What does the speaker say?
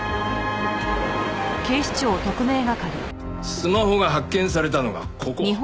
スマホが発見されたのがここ。